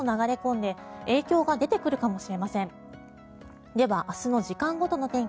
では、明日の時間ごとの天気